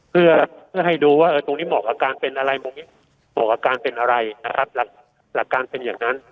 เพื่อให้ดูว่าตรงนี้เหมาะอาการเป็นอะไรเหมาะอาการเป็นอะไรนะครับหลักการเป็นอย่างนั้น